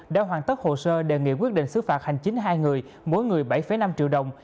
đã hoàn tất hồ sơ đề nghị quyết định xứ phạt hành chính hai người mỗi người bảy năm triệu đồng